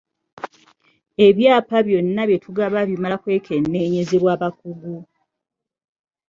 Ebyapa byonna bye tugaba bimala kwekenneenyezebwa bakugu.